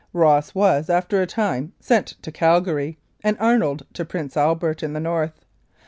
Ross was, after a time, sent to Calgary and Arnold to Prince Albert, in the north.